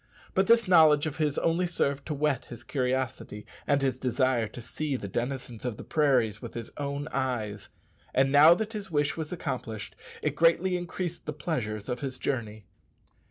But this knowledge of his only served to whet his curiosity and his desire to see the denizens of the prairies with his own eyes; and now that his wish was accomplished, it greatly increased the pleasures of his journey.